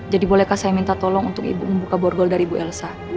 jadi bolehkah saya minta tolong untuk ibu membuka borgol dari ibu elsa